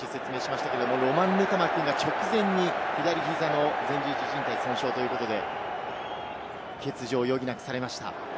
先ほど少し説明しましたが、ロマン・ヌタマックが直前に左膝の前十字靭帯損傷ということで欠場を余儀なくされました。